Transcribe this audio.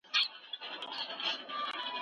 له نورو کلتورونو څخه باید خبر اوسو.